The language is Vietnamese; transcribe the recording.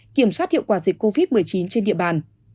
kiểm soát hiệu quả dịch covid một mươi chín trên địa bàn